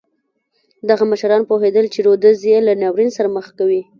دغه مشران پوهېدل چې رودز یې له ناورین سره مخ کوي.